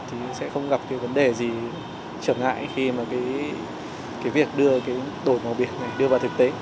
thì sẽ không gặp cái vấn đề gì trở ngại khi mà cái việc đưa cái đổi màu biển này đưa vào thực tế